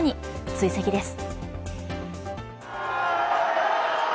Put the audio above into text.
追跡です。